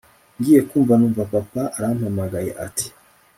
ngiye kumva numva papa arampamagaye ati